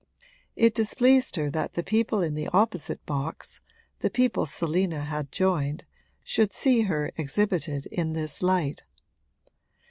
It displeased her that the people in the opposite box, the people Selina had joined, should see her exhibited in this light.